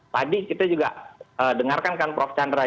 tadi kita juga dengarkan kan prof chandra